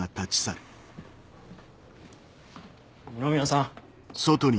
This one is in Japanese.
二宮さん。